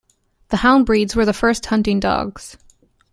The hound breeds were the first hunting dogs.